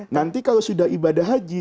nanti kalau sudah ibadah haji